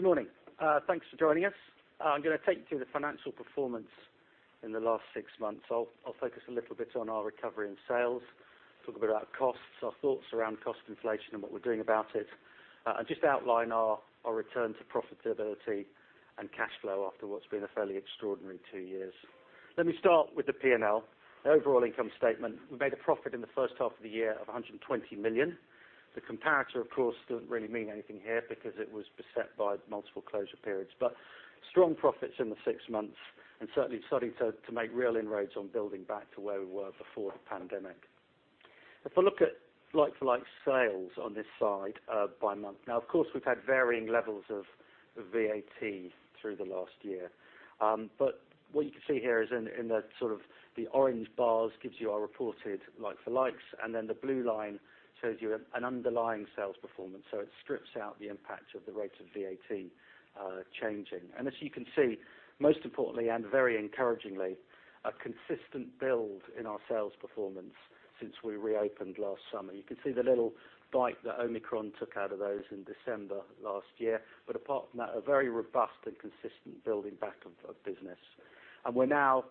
Good morning. Thanks for joining us. I'm gonna take you through the financial performance in the last six months. I'll focus a little bit on our recovery in sales, talk a bit about costs, our thoughts around cost inflation and what we're doing about it. And just outline our return to profitability and cash flow after what's been a fairly extraordinary two years. Let me start with the P&L. The overall income statement, we made a profit in the first half of the year of 120 million. The comparator, of course, doesn't really mean anything here because it was beset by multiple closure periods. Strong profits in the six months, and certainly starting to make real inroads on building back to where we were before the pandemic. If I look at like-for-like sales on this slide, by month. Now, of course, we've had varying levels of VAT through the last year. What you can see here is in the sort of orange bars gives you our reported like-for-likes, and then the blue line shows you an underlying sales performance. It strips out the impact of the rates of VAT changing. As you can see, most importantly and very encouragingly, a consistent build in our sales performance since we reopened last summer. You can see the little bite that Omicron took out of those in December last year. Apart from that, a very robust and consistent building back of business. We're now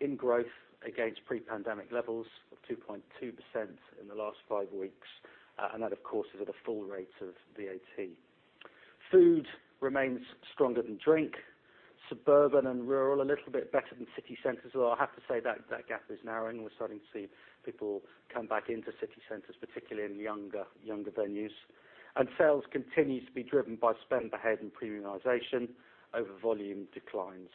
in growth against pre-pandemic levels of 2.2% in the last five weeks, and that, of course, is at a full rate of VAT. Food remains stronger than drink, suburban and rural, a little bit better than city centers, although I have to say that gap is narrowing. We're starting to see people come back into city centers, particularly in younger venues. Sales continues to be driven by spend per head and premiumization over volume declines.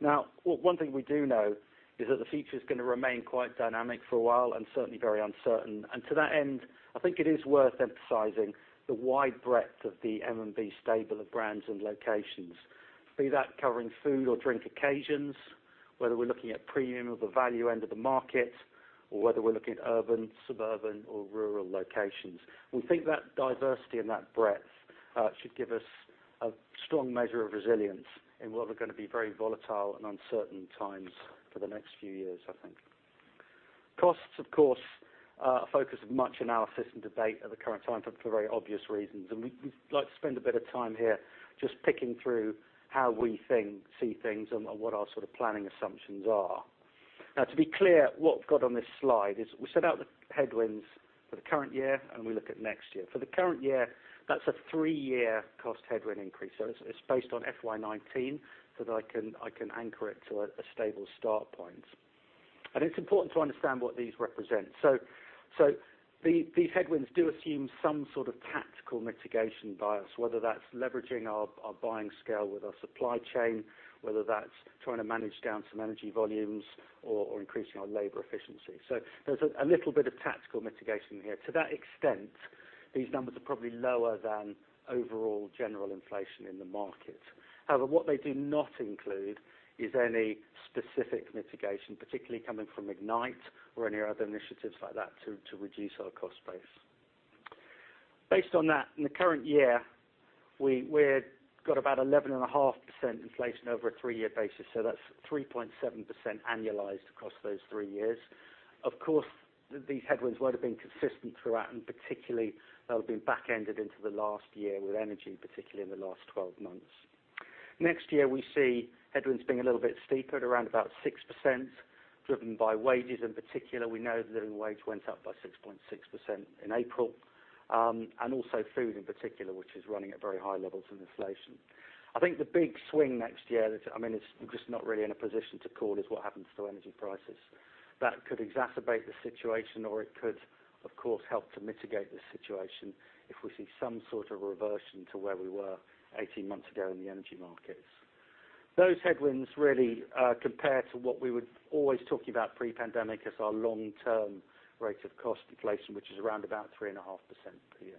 Now, one thing we do know is that the future is gonna remain quite dynamic for a while and certainly very uncertain. To that end, I think it is worth emphasizing the wide breadth of the M&B stable of brands and locations. Be that covering food or drink occasions, whether we're looking at premium or the value end of the market, or whether we're looking at urban, suburban or rural locations. We think that diversity and that breadth should give us a strong measure of resilience in what are gonna be very volatile and uncertain times for the next few years, I think. Costs, of course, a focus of much analysis and debate at the current time for very obvious reasons. We'd like to spend a bit of time here just picking through how we think, see things and what our sort of planning assumptions are. Now to be clear, what we've got on this slide is we set out the headwinds for the current year and we look at next year. For the current year, that's a three-year cost headwind increase. It's based on FY 2019, so that I can anchor it to a stable start point. It's important to understand what these represent. These headwinds do assume some sort of tactical mitigation by us, whether that's leveraging our buying scale with our supply chain, whether that's trying to manage down some energy volumes or increasing our labor efficiency. There's a little bit of tactical mitigation here. To that extent, these numbers are probably lower than overall general inflation in the market. However, what they do not include is any specific mitigation, particularly coming from Ignite or any other initiatives like that to reduce our cost base. Based on that, in the current year, we've got about 11.5% inflation over a three-year basis, so that's 3.7% annualized across those three years. Of course, these headwinds won't have been consistent throughout, and particularly they'll have been back-ended into the last year with energy, particularly in the last 12 months. Next year, we see headwinds being a little bit steeper at around 6%, driven by wages in particular. We know the living wage went up by 6.6% in April, and also food in particular, which is running at very high levels of inflation. I think the big swing next year. I mean, I'm just not really in a position to call it. That could exacerbate the situation or it could, of course, help to mitigate the situation if we see some sort of reversion to where we were 18 months ago in the energy markets. Those headwinds really compare to what we were always talking about pre-pandemic as our long-term rate of cost inflation, which is around 3.5% per year.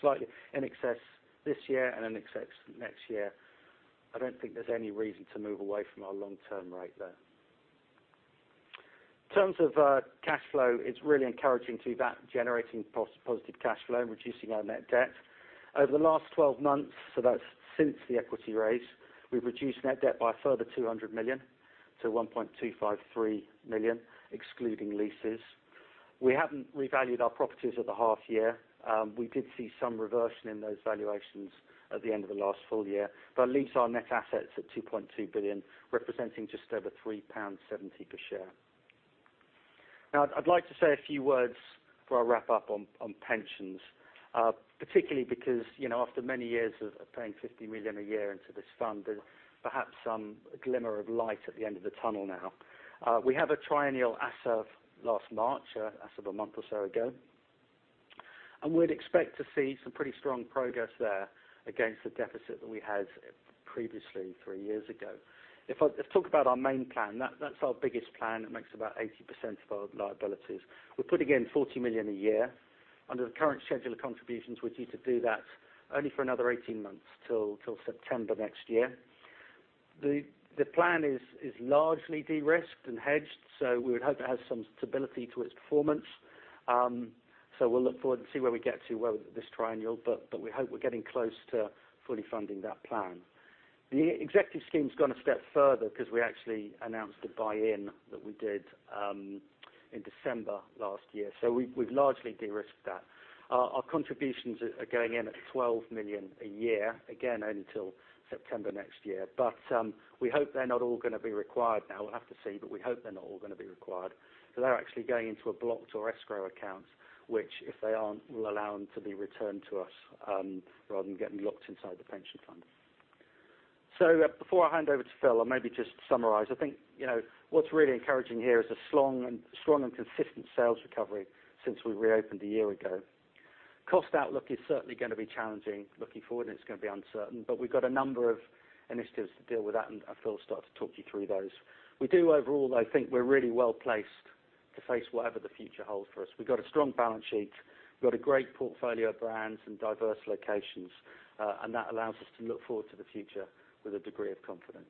Slightly in excess this year and in excess next year. I don't think there's any reason to move away from our long-term rate there. Terms of cash flow, it's really encouraging to be back generating positive cash flow and reducing our net debt. Over the last 12 months, so that's since the equity raise, we've reduced net debt by a further 200 million to 1.253 million, excluding leases. We haven't revalued our properties at the half year. We did see some reversion in those valuations at the end of the last full year. At least our net assets at 2.2 billion, representing just over 3.70 pounds per share. Now, I'd like to say a few words for a wrap up on pensions, particularly because, you know, after many years of paying 50 million a year into this fund, there's perhaps some glimmer of light at the end of the tunnel now. We have a triennial as of last March, as of a month or so ago. We'd expect to see some pretty strong progress there against the deficit that we had previously three years ago. Let's talk about our main plan. That's our biggest plan. It makes about 80% of our liabilities. We're putting in 40 million a year. Under the current schedule of contributions, we need to do that only for another 18 months till September next year. The plan is largely de-risked and hedged, so we would hope it has some stability to its performance. We'll look forward and see where we get to with this triennial, but we hope we're getting close to fully funding that plan. The executive scheme's gone a step further because we actually announced a buy-in that we did in December last year, so we've largely de-risked that. Our contributions are going in at 12 million a year, again, until September next year. But some, we hope they're not all gonna be required now. We'll have to see, but we hope they're not all gonna be required. They're actually going into a blocked or escrow account, which, if they aren't, will allow them to be returned to us, rather than getting locked inside the pension fund. Before I hand over to Phil, I'll maybe just summarize. I think, you know, what's really encouraging here is a strong and consistent sales recovery since we reopened a year ago. Cost outlook is certainly gonna be challenging looking forward, and it's gonna be uncertain, but we've got a number of initiatives to deal with that, and Phil will start to talk you through those. We do overall, though, think we're really well placed to face whatever the future holds for us. We've got a strong balance sheet. We've got a great portfolio of brands and diverse locations, and that allows us to look forward to the future with a degree of confidence.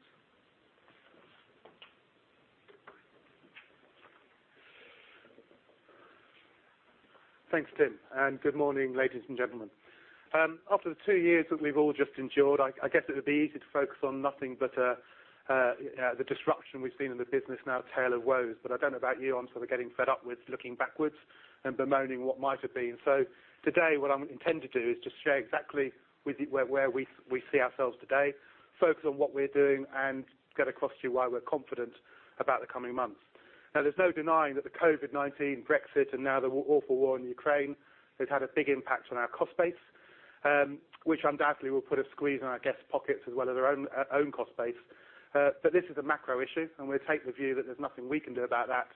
Thanks, Tim, and good morning, ladies and gentlemen. After the two years that we've all just endured, I guess it would be easy to focus on nothing but the disruption we've seen in the business and our tale of woes. I don't know about you, I'm sort of getting fed up with looking backwards and bemoaning what might have been. Today what I intend to do is just share exactly with you where we see ourselves today, focus on what we're doing, and get across to you why we're confident about the coming months. Now, there's no denying that the COVID-19, Brexit, and now the awful war in Ukraine has had a big impact on our cost base, which undoubtedly will put a squeeze on our guests' pockets as well as their own cost base. This is a macro issue, and we take the view that there's nothing we can do about that,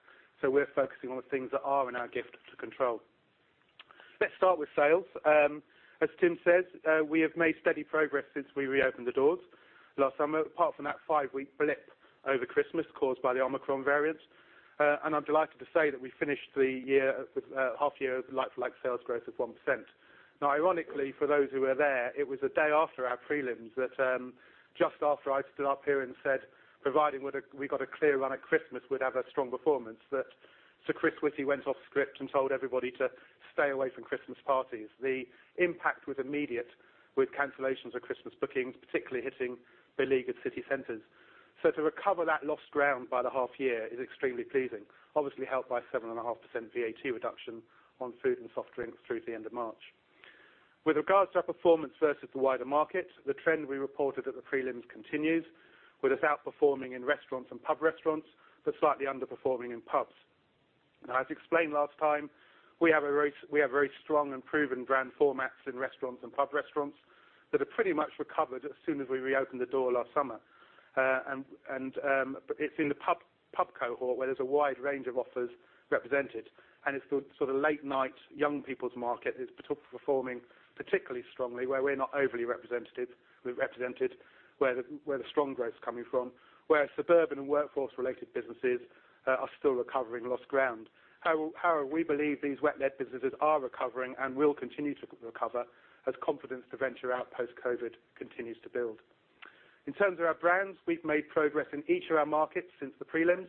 so we're focusing on the things that are in our gift to control. Let's start with sales. As Tim says, we have made steady progress since we reopened the doors last summer, apart from that five-week blip over Christmas caused by the Omicron variant. I'm delighted to say that we finished the half year with like-for-like sales growth of 1%. Now, ironically, for those who were there, it was a day after our prelims that, just after I'd stood up here and said, we got a clear run at Christmas, we'd have a strong performance, that Sir Chris Whitty went off script and told everybody to stay away from Christmas parties. The impact was immediate with cancellations of Christmas bookings, particularly hitting beleaguered city centers. To recover that lost ground by the half year is extremely pleasing, obviously helped by 7.5% VAT reduction on food and soft drinks through to the end of March. With regards to our performance versus the wider market, the trend we reported at the prelims continues, with us outperforming in restaurants and pub restaurants, but slightly underperforming in pubs. Now, as explained last time, we have very strong and proven brand formats in restaurants and pub restaurants that had pretty much recovered as soon as we reopened the door last summer. It's in the pub Cohort where there's a wide range of offers represented, and it's the sort of late-night young people's market that's performing particularly strongly where we're not overly represented, where the strong growth's coming from, where suburban and workforce-related businesses are still recovering lost ground. However, we believe these wet-led businesses are recovering and will continue to recover as confidence to venture out post-COVID continues to build. In terms of our brands, we've made progress in each of our markets since the prelims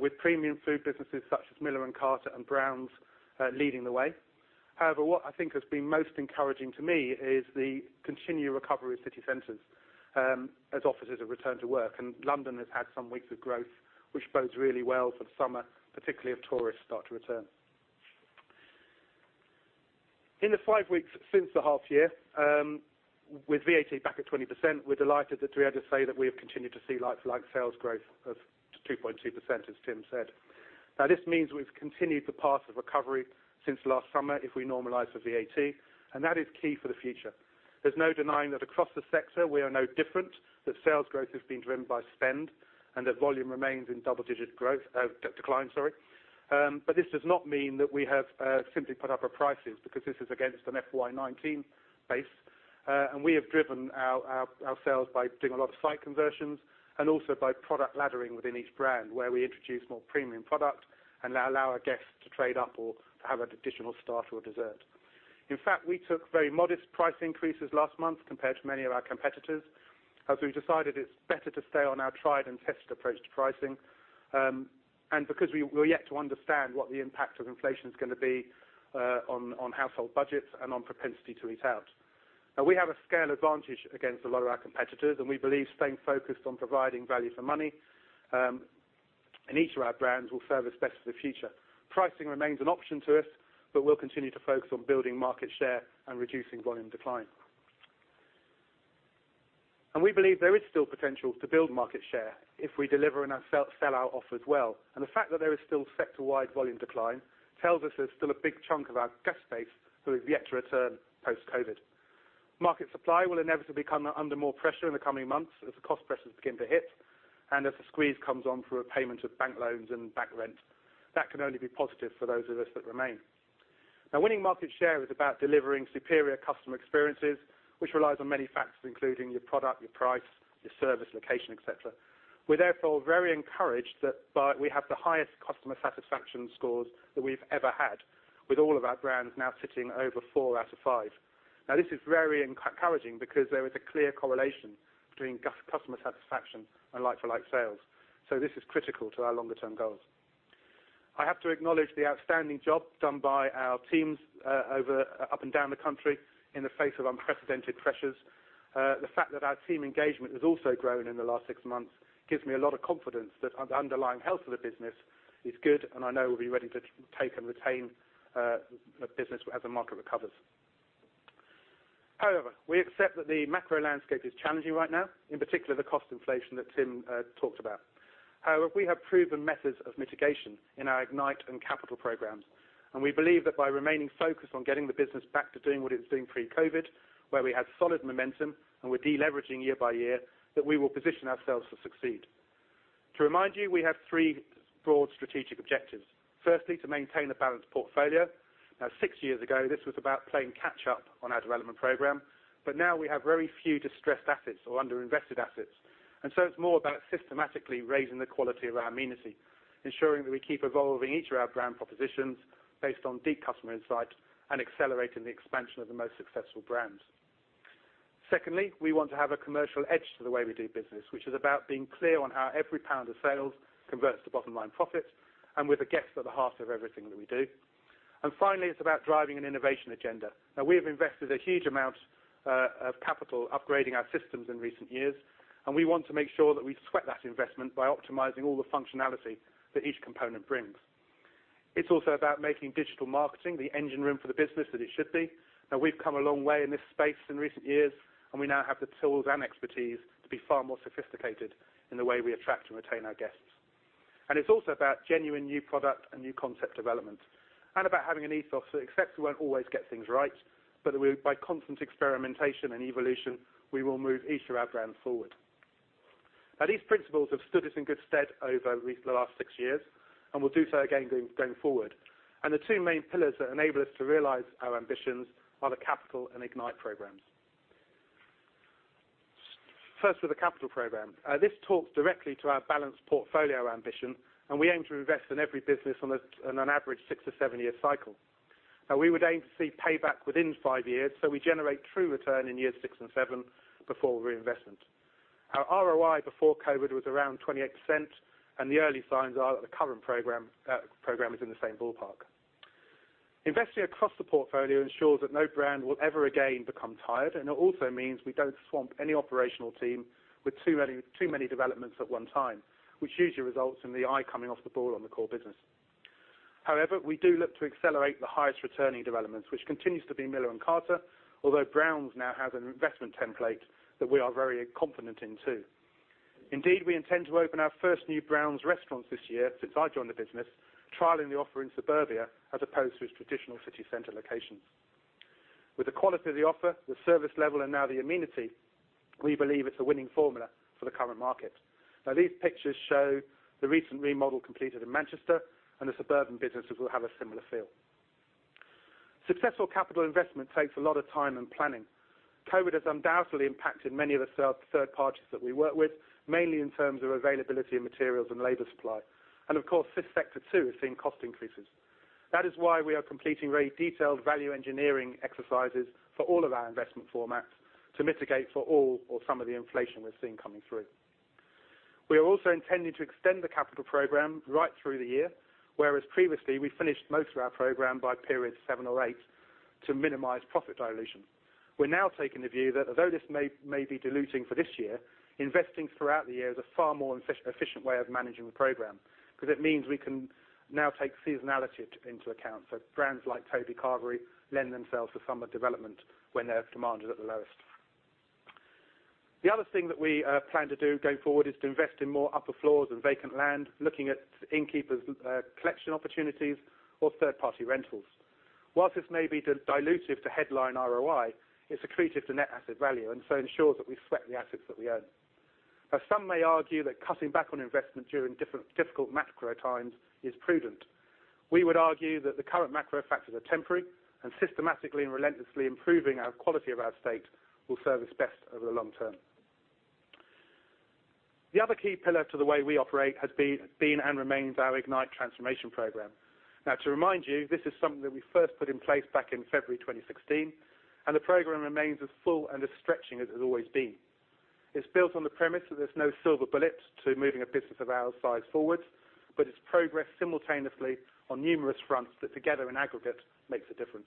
with premium food businesses such as Miller & Carter and Browns leading the way. However, what I think has been most encouraging to me is the continued recovery of city centers, as offices have returned to work, and London has had some weeks of growth, which bodes really well for the summer, particularly if tourists start to return. In the five weeks since the half year, with VAT back at 20%, we're delighted that we had to say that we have continued to see like-for-like sales growth of 2.2%, as Tim said. Now, this means we've continued the path of recovery since last summer if we normalize for VAT, and that is key for the future. There's no denying that across the sector, we are no different, that sales growth has been driven by spend, and that volume remains in double-digit decline, sorry. This does not mean that we have simply put up our prices because this is against an FY 2019 base. We have driven our sales by doing a lot of site conversions and also by product laddering within each brand where we introduce more premium product and allow our guests to trade up or have an additional starter or dessert. In fact, we took very modest price increases last month compared to many of our competitors, as we've decided it's better to stay on our tried and tested approach to pricing, and because we are yet to understand what the impact of inflation's gonna be on household budgets and on propensity to eat out. Now, we have a scale advantage against a lot of our competitors, and we believe staying focused on providing value for money in each of our brands will serve us best for the future. Pricing remains an option to us, but we'll continue to focus on building market share and reducing volume decline. We believe there is still potential to build market share if we deliver and sell our offer as well. The fact that there is still sector-wide volume decline tells us there's still a big chunk of our guest base who have yet to return post-COVID. Market supply will inevitably come under more pressure in the coming months as the cost pressures begin to hit and as the squeeze comes on through repayment of bank loans and back rent. That can only be positive for those of us that remain. Now, winning market share is about delivering superior customer experiences, which relies on many factors, including your product, your price, your service, location, et cetera. We're therefore very encouraged that we have the highest customer satisfaction scores that we've ever had with all of our brands now sitting over four out of five. Now, this is very encouraging because there is a clear correlation between customer satisfaction and like-for-like sales, so this is critical to our longer term goals. I have to acknowledge the outstanding job done by our teams over, up and down the country in the face of unprecedented pressures. The fact that our team engagement has also grown in the last six months gives me a lot of confidence that underlying health of the business is good, and I know we'll be ready to take and retain business as the market recovers. However, we accept that the macro landscape is challenging right now, in particular the cost inflation that Tim talked about. However, we have proven methods of mitigation in our Ignite and capital programs, and we believe that by remaining focused on getting the business back to doing what it was doing pre-COVID, where we had solid momentum and we're de-leveraging year-by-year, that we will position ourselves to succeed. To remind you, we have three broad strategic objectives. Firstly, to maintain a balanced portfolio. Now, six years ago, this was about playing catch up on our development program. But now we have very few distressed assets or underinvested assets, and so it's more about systematically raising the quality of our amenity, ensuring that we keep evolving each of our brand propositions based on deep customer insight and accelerating the expansion of the most successful brands. Secondly, we want to have a commercial edge to the way we do business, which is about being clear on how every pound of sales converts to bottom line profit and with the guest at the heart of everything that we do. Finally, it's about driving an innovation agenda. Now, we have invested a huge amount of capital upgrading our systems in recent years, and we want to make sure that we sweat that investment by optimizing all the functionality that each component brings. It's also about making digital marketing the engine room for the business that it should be. Now, we've come a long way in this space in recent years, and we now have the tools and expertise to be far more sophisticated in the way we attract and retain our guests. It's also about genuine new product and new concept development, and about having an ethos that accepts we won't always get things right, but that we by constant experimentation and evolution, we will move each of our brands forward. Now, these principles have stood us in good stead over the last 6 years and will do so again going forward. The two main pillars that enable us to realize our ambitions are the capital and Ignite programs. First with the capital program, this talks directly to our balanced portfolio ambition, and we aim to invest in every business on an average six-seven year cycle. Now we would aim to see payback within five years, so we generate true return in years six and seven before reinvestment. Our ROI before COVID was around 28%, and the early signs are that the current program is in the same ballpark. Investing across the portfolio ensures that no brand will ever again become tired, and it also means we don't swamp any operational team with too many developments at one time, which usually results in the eye coming off the ball on the core business. However, we do look to accelerate the highest returning developments, which continues to be Miller & Carter, although Browns now has an investment template that we are very confident in too. Indeed, we intend to open our first new Browns restaurant this year since I joined the business, trialing the offer in suburbia as opposed to its traditional city center locations. With the quality of the offer, the service level, and now the amenity, we believe it's a winning formula for the current market. Now, these pictures show the recent remodel completed in Manchester, and the suburban businesses will have a similar feel. Successful capital investment takes a lot of time and planning. COVID has undoubtedly impacted many of the third parties that we work with, mainly in terms of availability of materials and labor supply. Of course, this sector too is seeing cost increases. That is why we are completing very detailed value engineering exercises for all of our investment formats to mitigate for all or some of the inflation we're seeing coming through. We are also intending to extend the capital program right through the year, whereas previously we finished most of our program by period seven or eight to minimize profit dilution. We're now taking the view that although this may be diluting for this year, investing throughout the year is a far more efficient way of managing the program, 'cause it means we can now take seasonality into account. Brands like Toby Carvery lend themselves to summer development when demand is at the lowest. The other thing that we plan to do going forward is to invest in more upper floors and vacant land, looking at Innkeeper's Collection opportunities or third party rentals. While this may be dilutive to headline ROI, it's accretive to net asset value and so ensures that we sweat the assets that we own. Now, some may argue that cutting back on investment during different, difficult macro times is prudent. We would argue that the current macro factors are temporary, and systematically and relentlessly improving our quality of our estate will serve us best over the long term. The other key pillar to the way we operate has been and remains our Ignite transformation program. Now, to remind you, this is something that we first put in place back in February 2016, and the program remains as full and as stretching as it has always been. It's built on the premise that there's no silver bullet to moving a business of our size forward, but it's progress simultaneously on numerous fronts that together in aggregate makes a difference.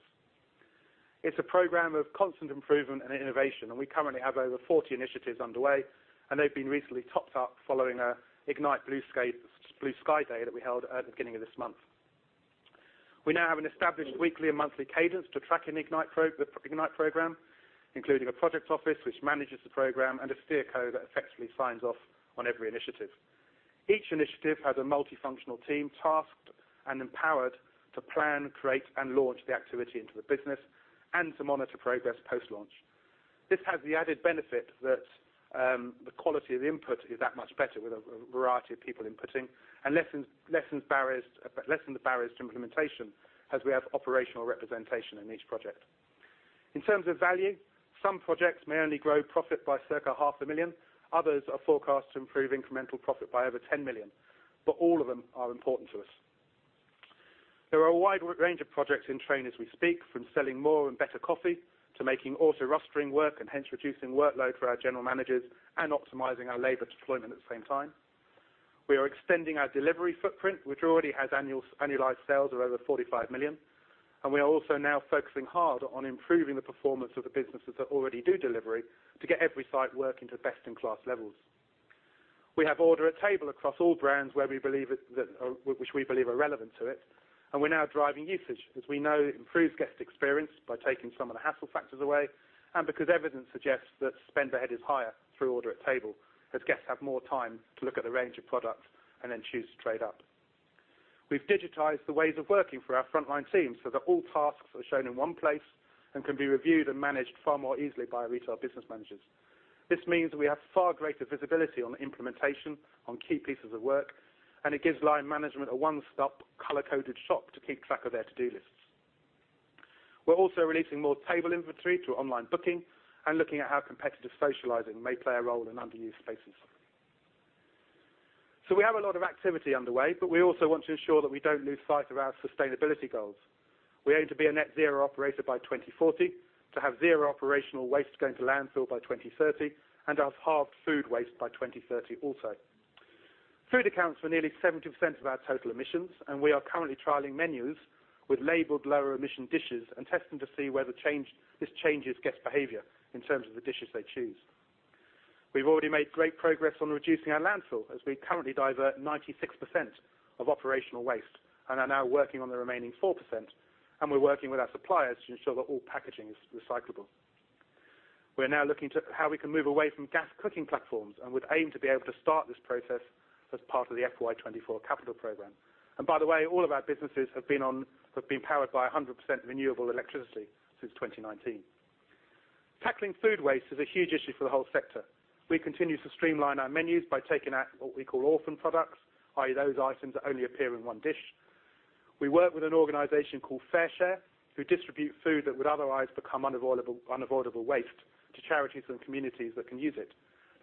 It's a program of constant improvement and innovation, and we currently have over 40 initiatives underway, and they've been recently topped up following an Ignite blue sky day that we held at the beginning of this month. We now have an established weekly and monthly cadence to track the Ignite program, including a project office which manages the program and a SteerCo that effectively signs off on every initiative. Each initiative has a multifunctional team tasked and empowered to plan, create, and launch the activity into the business and to monitor progress post-launch. This has the added benefit that the quality of the input is that much better with a variety of people inputting and lessens the barriers to implementation as we have operational representation in each project. In terms of value, some projects may only grow profit by circa GBP half a million. Others are forecast to improve incremental profit by over 10 million, but all of them are important to us. There are a wide range of projects in train as we speak, from selling more and better coffee to making auto rostering work and hence reducing workload for our general managers and optimizing our labor deployment at the same time. We are extending our delivery footprint, which already has annualized sales of over 45 million, and we are also now focusing hard on improving the performance of the businesses that already do delivery to get every site working to best in class levels. We have Order at Table across all brands where we believe, which we believe are relevant to it, and we're now driving usage, as we know it improves guest experience by taking some of the hassle factors away, and because evidence suggests that spend per head is higher through Order at Table as guests have more time to look at the range of products and then choose to trade up. We've digitized the ways of working for our frontline teams so that all tasks are shown in one place and can be reviewed and managed far more easily by our retail business managers. This means we have far greater visibility on the implementation of key pieces of work, and it gives line management a one-stop color-coded shop to keep track of their to-do lists. We're also releasing more table inventory to online booking and looking at how competitive socializing may play a role in underused spaces. We have a lot of activity underway, but we also want to ensure that we don't lose sight of our sustainability goals. We aim to be a net zero operator by 2040, to have zero operational waste going to landfill by 2030, and halve food waste by 2030 also. Food accounts for nearly 70% of our total emissions, and we are currently trialing menus with labeled lower emission dishes and testing to see whether this changes guests behavior in terms of the dishes they choose. We've already made great progress on reducing our landfill, as we currently divert 96% of operational waste and are now working on the remaining 4%, and we're working with our suppliers to ensure that all packaging is recyclable. We're now looking to how we can move away from gas cooking platforms, and we've aimed to be able to start this process as part of the FY 2024 capital program. By the way, all of our businesses have been powered by 100% renewable electricity since 2019. Tackling food waste is a huge issue for the whole sector. We continue to streamline our menus by taking out what we call orphan products, i.e. those items that only appear in one dish. We work with an organization called FareShare, who distribute food that would otherwise become unavoidable waste to charities and communities that can use it.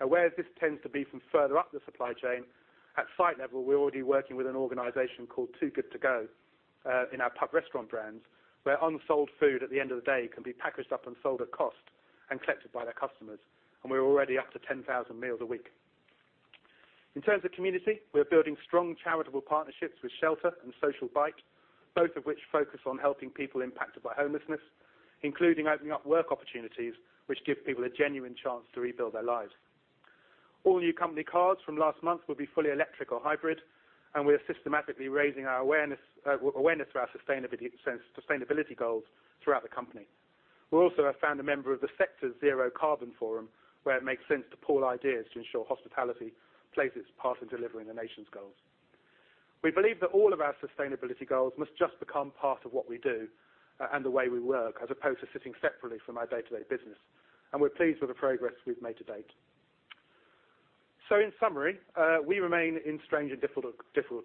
Whereas this tends to be from further up the supply chain, at site level, we're already working with an organization called Too Good To Go in our pub restaurant brands, where unsold food at the end of the day can be packaged up and sold at cost and collected by their customers, and we're already up to 10,000 meals a week. In terms of community, we're building strong charitable partnerships with Shelter and Social Bite, both of which focus on helping people impacted by homelessness, including opening up work opportunities which give people a genuine chance to rebuild their lives. All new company cars from last month will be fully electric or hybrid, and we are systematically raising our awareness for our sustainability goals throughout the company. We also have found a member of the sector's Zero Carbon Forum, where it makes sense to pool ideas to ensure hospitality plays its part in delivering the nation's goals. We believe that all of our sustainability goals must just become part of what we do, and the way we work, as opposed to sitting separately from our day-to-day business, and we're pleased with the progress we've made to date. In summary, we remain in strange and difficult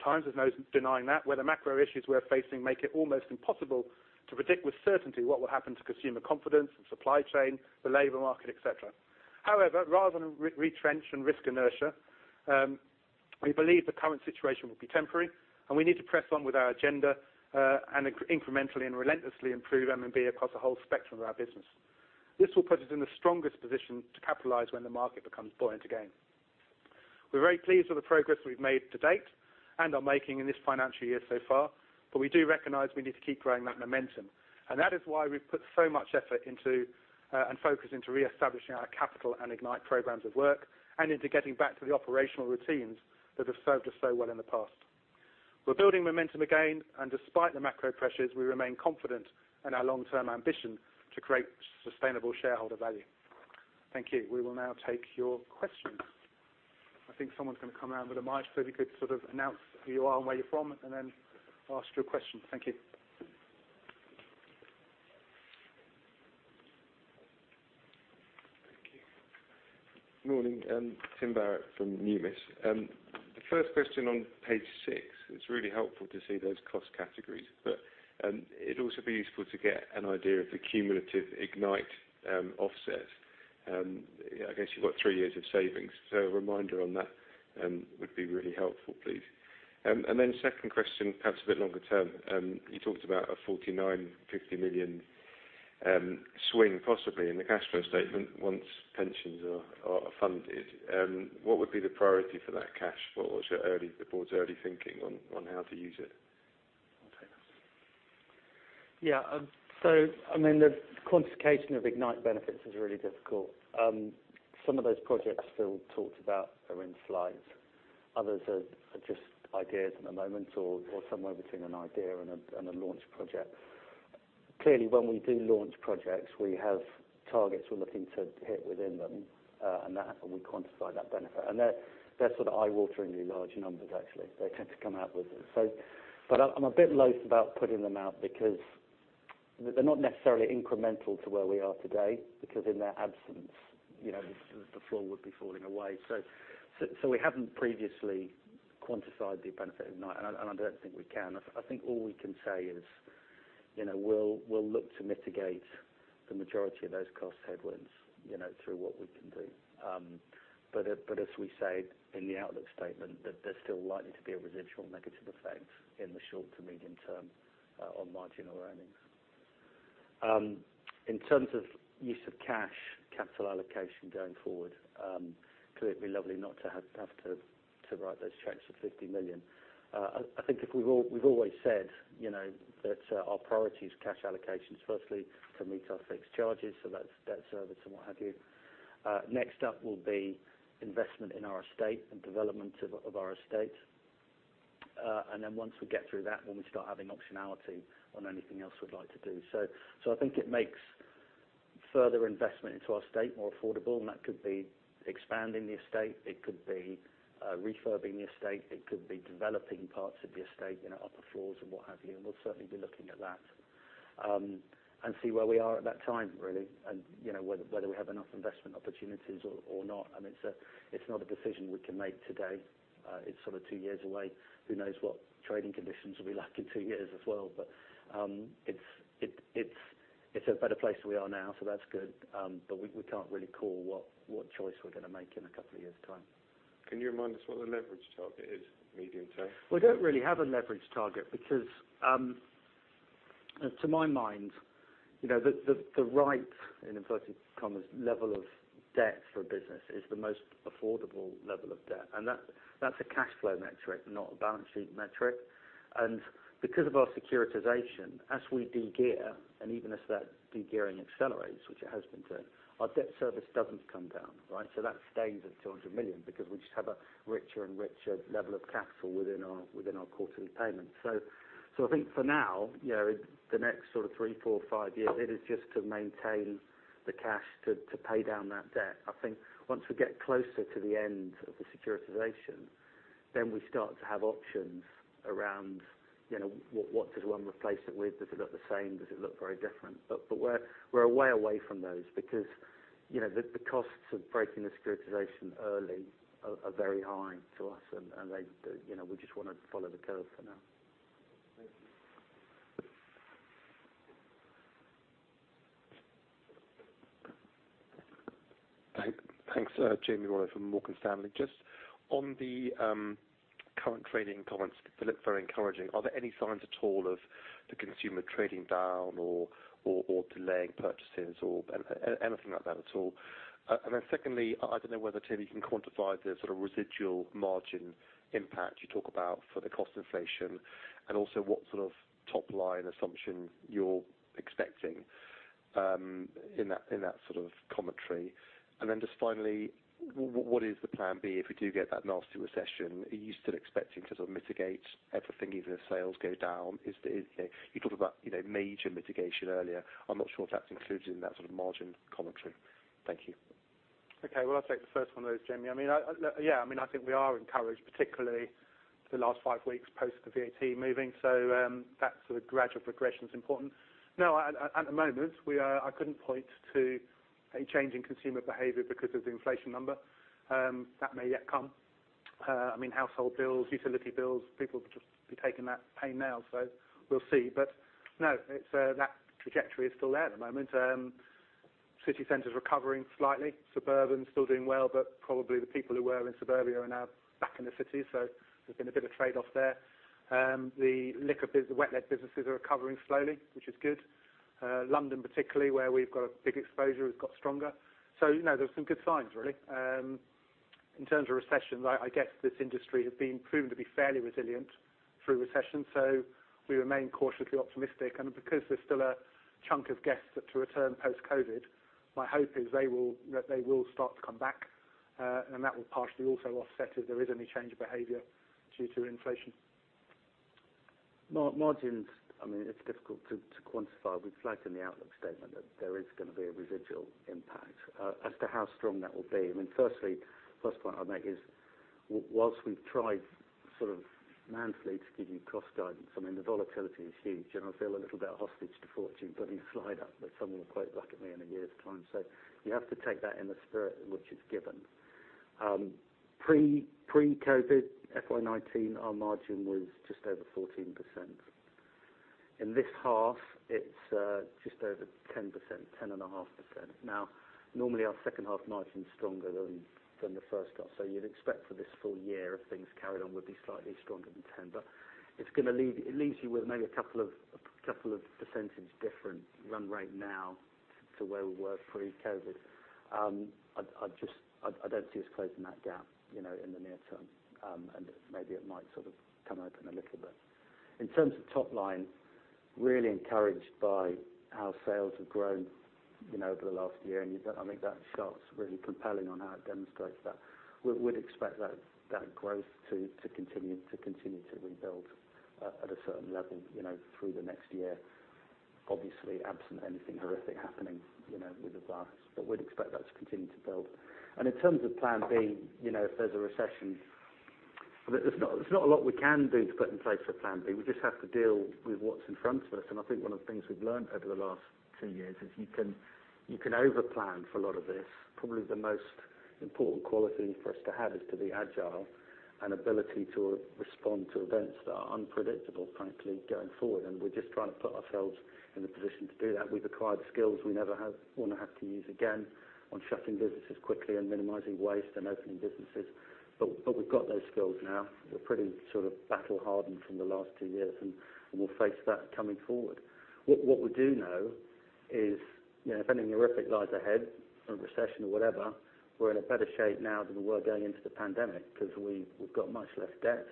times, there's no denying that, where the macro issues we're facing make it almost impossible to predict with certainty what will happen to consumer confidence, the supply chain, the labor market, et cetera. However, rather than retrench and risk inertia, we believe the current situation will be temporary, and we need to press on with our agenda, and incrementally and relentlessly improve M&B across the whole spectrum of our business. This will put us in the strongest position to capitalize when the market becomes buoyant again. We're very pleased with the progress we've made to date and are making in this financial year so far, but we do recognize we need to keep growing that momentum. That is why we've put so much effort into, and focus into reestablishing our capital and Ignite programs of work and into getting back to the operational routines that have served us so well in the past. We're building momentum again, and despite the macro pressures, we remain confident in our long-term ambition to create sustainable shareholder value. Thank you. We will now take your questions. I think someone's going to come out with a mic, so if you could sort of announce who you are and where you're from, and then ask your question. Thank you. Thank you. Morning, Tim Barrett from Numis. The first question on page six, it's really helpful to see those cost categories, but it'd also be useful to get an idea of the cumulative Ignite offsets. I guess you've got three years of savings, so a reminder on that would be really helpful, please. Second question, perhaps a bit longer term, you talked about a 49-50 million swing possibly in the cash flow statement once pensions are funded. What would be the priority for that cash flow? What's the board's early thinking on how to use it? Yeah. So I mean, the quantification of Ignite benefits is really difficult. Some of those projects Phil talked about are in flight. Others are just ideas at the moment or somewhere between an idea and a launch project. Clearly, when we do launch projects, we have targets we're looking to hit within them, we quantify that benefit. They're sort of eye-wateringly large numbers, actually. They tend to come out with them. I'm a bit loath about putting them out because they're not necessarily incremental to where we are today because in their absence, you know, the floor would be falling away. We haven't previously quantified the benefit of Ignite, and I don't think we can. I think all we can say is You know, we'll look to mitigate the majority of those cost headwinds, you know, through what we can do. As we say in the outlook statement, that there's still likely to be a residual negative effect in the short to medium term on margin or earnings. In terms of use of cash, capital allocation going forward, could it be lovely not to have to write those checks for 50 million. I think we've always said, you know, that our priority is cash allocations, firstly, to meet our fixed charges, so that's debt service and what have you. Next up will be investment in our estate and development of our estate. Then once we get through that, when we start having optionality on anything else we'd like to do. I think it makes further investment into our estate more affordable, and that could be expanding the estate, it could be refurbishing the estate, it could be developing parts of the estate, you know, upper floors and what have you. We'll certainly be looking at that and see where we are at that time really, and you know whether we have enough investment opportunities or not. I mean, it's not a decision we can make today. It's sort of two years away. Who knows what trading conditions will be like in two years as well. It's a better place than we are now, so that's good. We can't really call what choice we're gonna make in a couple of years' time. Can you remind us what the leverage target is medium term? We don't really have a leverage target because to my mind, you know, the right, in inverted commas, level of debt for business is the most affordable level of debt. That's a cash flow metric, not a balance sheet metric. Because of our securitization, as we de-gear, and even as that de-gearing accelerates, which it has been doing, our debt service doesn't come down, right? That stays at 200 million because we just have a richer and richer level of capital within our quarterly payments. I think for now, you know, the next sort of three, four, five years, it is just to maintain the cash to pay down that debt. I think once we get closer to the end of the securitization, then we start to have options around, you know, what does one replace it with? Does it look the same? Does it look very different? We're a way away from those because, you know, the costs of breaking the securitization early are very high to us. They, you know, we just wanna follow the curve for now. Thank you. Thanks. Jamie Rollo from Morgan Stanley. Just on the current trading comments, they look very encouraging. Are there any signs at all of the consumer trading down or delaying purchases or anything like that at all? Secondly, I don't know whether, Tim, you can quantify the sort of residual margin impact you talk about for the cost inflation, and also what sort of top line assumption you're expecting in that sort of commentary. Just finally, what is the plan B if we do get that nasty recession? Are you still expecting to sort of mitigate everything even if sales go down? Is that, you know, you talked about, you know, major mitigation earlier. I'm not sure if that's included in that sort of margin commentary. Thank you. Okay. Well, I'll take the first one of those, Jamie. I mean, yeah, I think we are encouraged, particularly the last five weeks post the VAT moving. That sort of gradual progression is important. No, at the moment, I couldn't point to a change in consumer behavior because of the inflation number. That may yet come. I mean, household bills, utility bills, people will just be taking that pain now, so we'll see. But no, it's that trajectory is still there at the moment. City centers recovering slightly. Suburban still doing well, but probably the people who were in suburbia are now back in the city. There's been a bit of trade-off there. The wet-led businesses are recovering slowly, which is good. London particularly, where we've got a big exposure, has got stronger. You know, there's some good signs really. In terms of recession, I guess this industry has been proven to be fairly resilient through recession. We remain cautiously optimistic. Because there's still a chunk of guests that are to return post-COVID, my hope is they will start to come back. That will partially also offset if there is any change of behavior due to inflation. Margins, I mean, it's difficult to quantify. We flagged in the outlook statement that there is gonna be a residual impact. As to how strong that will be, I mean, firstly, first point I'll make is whilst we've tried sort of monthly to give you cost guidance, I mean, the volatility is huge, and I feel a little bit hostage to fortune, putting a slide up that someone will quote back at me in a year's time. You have to take that in the spirit in which it's given. Pre-COVID, FY 2019, our margin was just over 14%. In this half, it's just over 10%, 10.5%. Now, normally our second half margin is stronger than the first half. You'd expect for this full year, if things carried on, would be slightly stronger than 10%. It's gonna leave, it leaves you with maybe a couple of percentage difference run rate now to where we were pre-COVID. I just don't see us closing that gap, you know, in the near term. Maybe it might sort of come open a little bit. In terms of top line, really encouraged by how sales have grown, you know, over the last year. You don't— I mean, that chart's really compelling on how it demonstrates that. We'd expect that growth to continue to rebuild at a certain level, you know, through the next year, obviously, absent anything horrific happening, you know, with the virus. We'd expect that to continue to build. In terms of plan B, you know, if there's a recession, there's not a lot we can do to put in place for plan B. We just have to deal with what's in front of us. I think one of the things we've learned over the last two years is you can overplan for a lot of this. Probably the most Important quality for us to have is to be agile and ability to respond to events that are unpredictable, frankly, going forward. We're just trying to put ourselves in a position to do that. We've acquired skills we never wanna have to use again on shutting businesses quickly and minimizing waste and opening businesses. But we've got those skills now. We're pretty sort of battle-hardened from the last two years, and we'll face that coming forward. What we do know is, you know, if anything horrific lies ahead, a recession or whatever, we're in a better shape now than we were going into the pandemic 'cause we've got much less debt,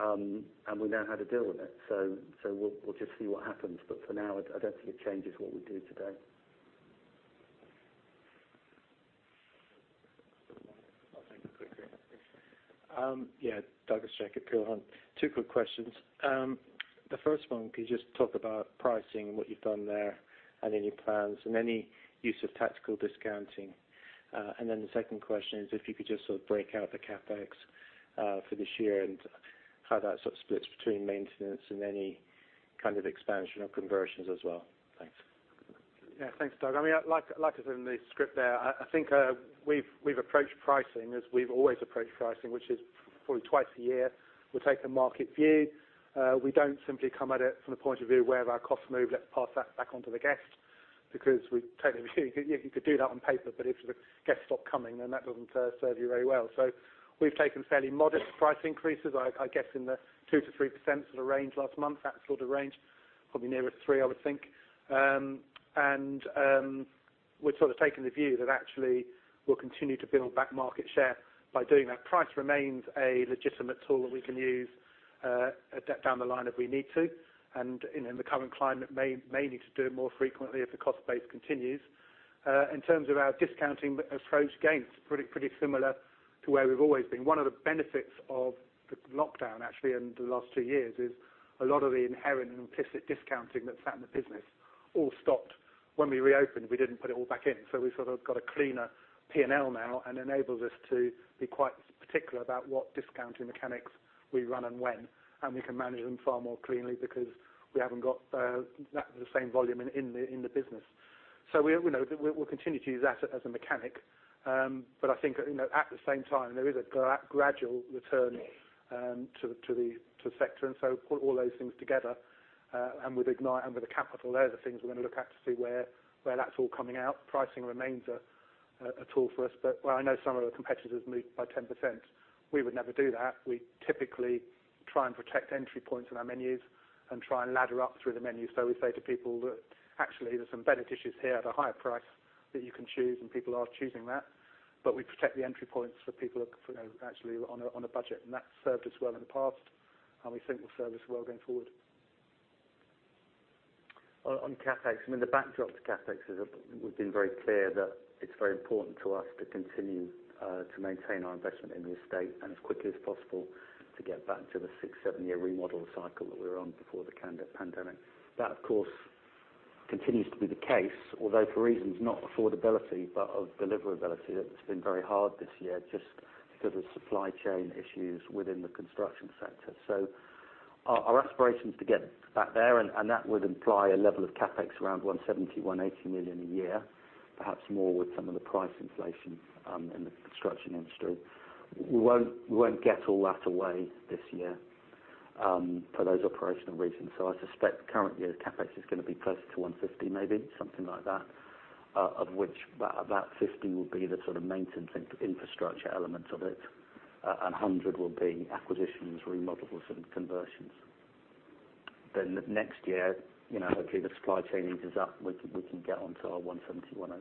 and we know how to deal with it. So we'll just see what happens. But for now, I don't think it changes what we do today. I'll take it quickly. Yeah, Douglas Jack, Peel Hunt. Two quick questions. The first one, can you just talk about pricing and what you've done there, and any plans and any use of tactical discounting? The second question is if you could just sort of break out the CapEx, for this year and how that sort of splits between maintenance and any kind of expansion or conversions as well. Thanks. Yeah. Thanks, Doug. I mean, like I said in the script there, I think we've approached pricing as we've always approached pricing, which is probably twice a year we'll take a market view. We don't simply come at it from the point of view where our costs move, let's pass that back on to the guest because we've taken the view you could do that on paper, but if the guests stop coming, then that doesn't serve you very well. We've taken fairly modest price increases, I guess in the 2%-3% sort of range last month, that sort of range, probably nearer 3%, I would think. We've sort of taken the view that actually we'll continue to build back market share by doing that. Price remains a legitimate tool that we can use down the line if we need to, and in the current climate may need to do it more frequently if the cost base continues. In terms of our discounting approach, again, it's pretty similar to where we've always been. One of the benefits of the lockdown, actually, in the last two years is a lot of the inherent and implicit discounting that sat in the business all stopped. When we reopened, we didn't put it all back in, so we've sort of got a cleaner P&L now and enables us to be quite particular about what discounting mechanics we run and when. We can manage them far more cleanly because we haven't got the same volume in the business. We'll continue to use that as a mechanic. I think, you know, at the same time, there is a gradual return to the sector. Put all those things together, and with Ignite and with the capital, they're the things we're gonna look at to see where that's all coming out. Pricing remains a tool for us. Where I know some of the competitors moved by 10%, we would never do that. We typically try and protect entry points on our menus and try and ladder up through the menu. We say to people that actually there's some better dishes here at a higher price that you can choose, and people are choosing that. We protect the entry points for people who are, you know, actually on a budget, and that's served us well in the past and we think will serve us well going forward. On CapEx, I mean, the backdrop to CapEx is we've been very clear that it's very important to us to continue to maintain our investment in the estate and as quickly as possible to get back to the six- to seven-year remodel cycle that we were on before the pandemic. That, of course, continues to be the case, although for reasons not affordability, but of deliverability, that it's been very hard this year just because of supply chain issues within the construction sector. Our aspiration is to get back there and that would imply a level of CapEx around 170 million-180 million a year, perhaps more with some of the price inflation in the construction industry. We won't get all that away this year for those operational reasons. I suspect current year CapEx is gonna be closer to 150 maybe, something like that, of which about 50 will be the sort of maintenance infrastructure elements of it, and 100 will be acquisitions, remodels, and conversions. Next year, you know, hopefully the supply chain eases up, we can get on to our 170-180. Owen?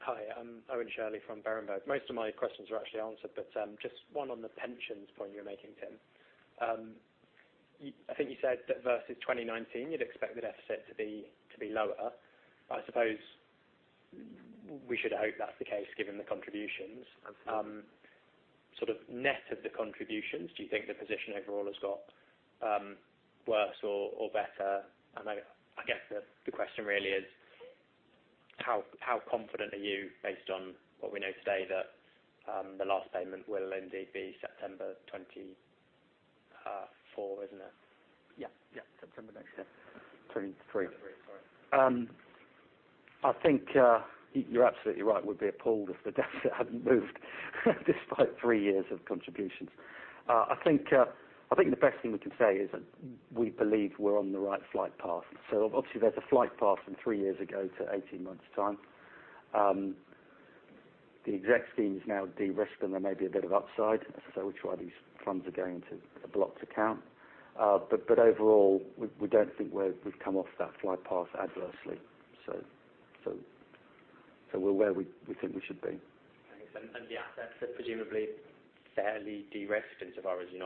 Hi, I'm Owen Shirley from Berenberg. Most of my questions were actually answered, but just one on the pensions point you were making, Tim. I think you said that versus 2019, you'd expect the deficit to be lower. I suppose we should hope that's the case, given the contributions. Absolutely. Sort of net of the contributions, do you think the position overall has got worse or better? I guess the question really is how confident are you based on what we know today that the last payment will indeed be September 2024, isn't it? Yeah, yeah. September next year. 23. Three. Sorry. I think you're absolutely right. We'd be appalled if the deficit hadn't moved despite three years of contributions. I think the best thing we can say is that we believe we're on the right flight path. Obviously there's a flight path from three years ago to eighteen months' time. The exec scheme is now de-risked, and there may be a bit of upside, as I say, which is why these funds are going into a blocked account. Overall, we don't think we've come off that flight path adversely. We're where we think we should be. Thanks. The assets are presumably fairly de-risked insofar as it's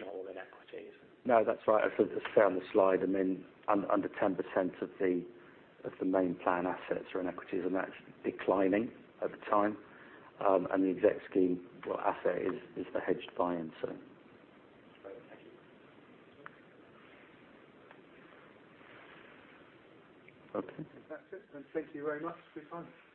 not all in equity, is it? No, that's right. As I say on the slide, I mean, under 10% of the main plan assets are in equities, and that's declining over time. The exec scheme, well, asset is a hedged buy-in, so. Great. Thank you. Okay. If that's it, then thank you very much for your time. Thank you.